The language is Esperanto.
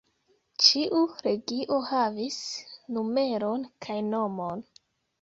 Ĉiu legio havis numeron kaj nomon.